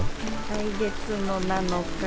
来月の７日。